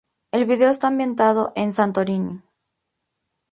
El vídeo está ambientado en Santorini.